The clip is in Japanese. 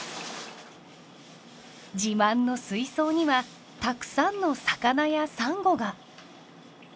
自慢の水槽にはたくさんの魚やサンゴが。